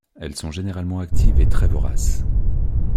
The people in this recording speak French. Elles sont généralement actives et très voraces.